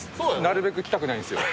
なるべく来たくないんですよ。